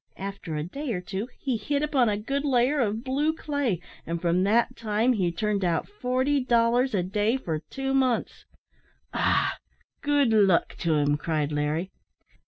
After a day or two he hit upon a good layer of blue clay, and from that time he turned out forty dollars a day for two months." "Ah! good luck to him," cried Larry.